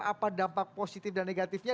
apa dampak positif dan negatifnya